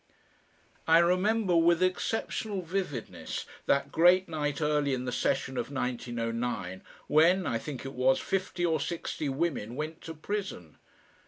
I remember, with exceptional vividness, that great night early in the session of 1909, when I think it was fifty or sixty women went to prison.